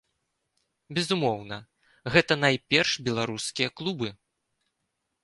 Безумоўна, гэта найперш беларускія клубы.